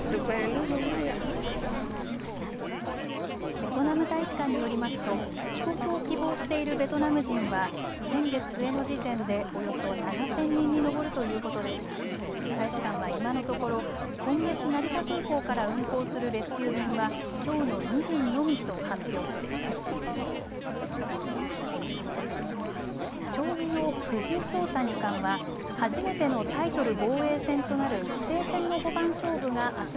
ベトナム大使館によりますと帰国を希望しているベトナム人は先月末の時点でおよそ７０００人に上るということですが大使館は今のところ今月、成田空港から運航するレスキュー便はきょうの２便のみと発表しています。